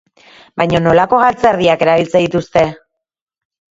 Baina nolako galtzerdiak erabiltzen dituzte?